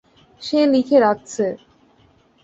সে লিখে রাখছে।